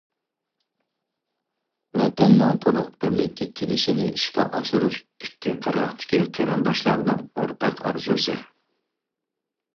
ۋەتەننىڭ تولۇق بىرلىككە كېلىشىنى ئىشقا ئاشۇرۇش ئىككى قىرغاقتىكى قېرىنداشلارنىڭ ئورتاق ئارزۇسى.